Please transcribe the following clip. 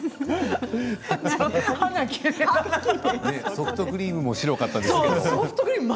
ソフトクリームおもしろかったですけど。